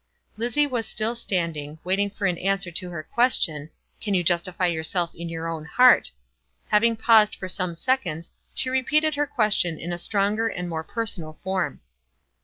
Lizzie was still standing, waiting for an answer to her question, Can you justify yourself in your own heart? Having paused for some seconds, she repeated her question in a stronger and more personal form.